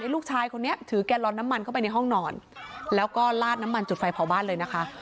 ลูกชายคนนี้ถือแกลลอนน้ำมันเข้าไปในห้องนอนแล้วก็ลาดน้ำมันจุดไฟเผาบ้านเลยนะคะ